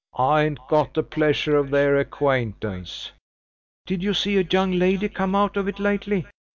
"I ain't got the pleasure of their acquaintance!" "Did you see a young lady come out of it lately?"